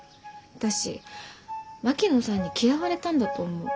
私槙野さんに嫌われたんだと思う。